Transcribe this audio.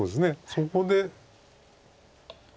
そこで。